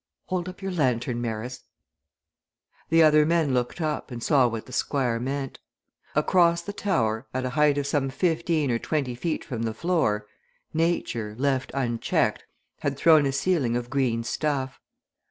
Hold up your lantern, Marris!" The other men looked up and saw what the Squire meant. Across the tower, at a height of some fifteen or twenty feet from the floor, Nature, left unchecked, had thrown a ceiling of green stuff.